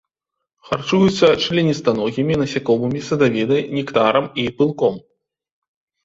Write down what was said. Харчуюцца членістаногімі, насякомымі, садавінай, нектарам і пылком.